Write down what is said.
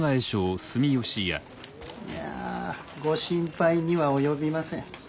いやあご心配には及びません。